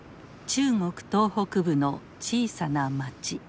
中国東北部の小さな町。